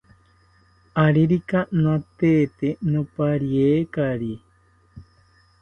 Aririka natete nopariekari